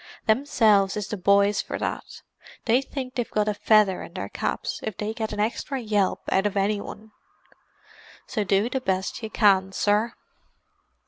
Themselves is the boys for that; they think they've got a feather in their caps if they get an extra yelp out of annywan. So do the best you can, sir."